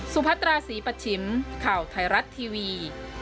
พัตราศรีปัชชิมข่าวไทยรัฐทีวี